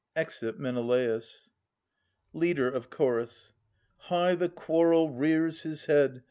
[Exit Menelaus. Leader of Chorus. High the quarrel rears his head!